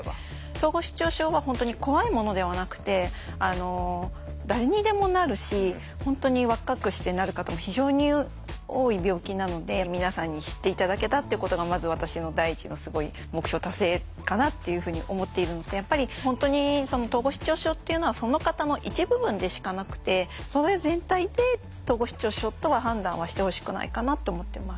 統合失調症は本当に怖いものではなくて誰にでもなるし本当に若くしてなる方も非常に多い病気なので皆さんに知って頂けたってことがまず私の第一のすごい目標達成かなっていうふうに思っているのとやっぱり本当に統合失調症っていうのはその方の一部分でしかなくてそれ全体で統合失調症とは判断はしてほしくないかなと思ってます。